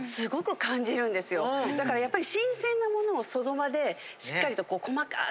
だからやっぱり。